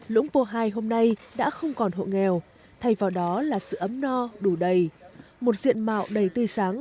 lũng pô hai hôm nay đã không còn hộ nghèo thay vào đó là sự ấm no đủ đầy một diện mạo đầy tươi sáng